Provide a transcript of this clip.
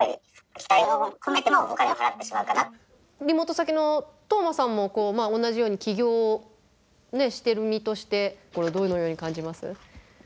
リモート先の透馬さんも同じように起業してる身としてこれどのように感じます？